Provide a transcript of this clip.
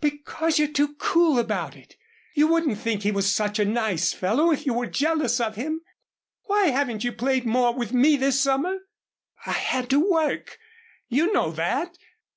"Because you're too cool about it. You wouldn't think he was such a nice fellow if you were jealous of him. Why haven't you played more with me this summer?" "I had to work you know that.